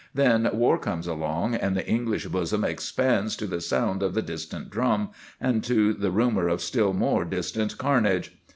Then war comes along, and the English bosom expands to the sound of the distant drum, and to the rumour of still more distant carnage.